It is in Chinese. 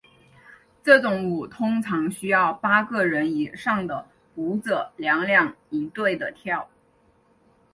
这种舞通常需要八个人以上的舞者两两一对地跳。